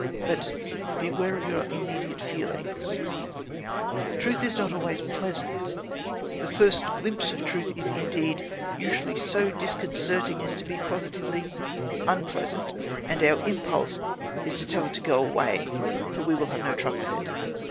But beware of your immediate feelings. Truth is not always pleasant. The first glimpse of truth is, indeed, usually so disconcerting as to be positively unpleasant, and our impulse is to tell it to go away, for we will have no truck with it.